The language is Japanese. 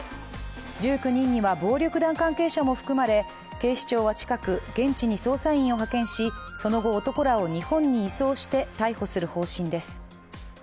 １９人には暴力団関係者も含まれ、警視庁は近く、現地に捜査員を派遣し、その後、男らを日本に移送して、逮捕する方針です